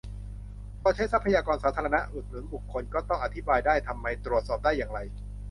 พอใช้ทรัพยากรสาธารณะอุดหนุนบุคคล ก็ต้องอธิบายได้-ทำไม ตรวจสอบได้-อย่างไร